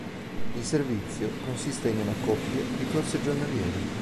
Il servizio consiste in una coppia di corse giornaliere.